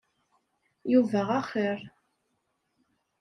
Yuba axir.